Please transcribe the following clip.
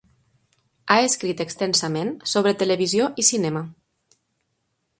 Ha escrit extensament sobre televisió i cinema.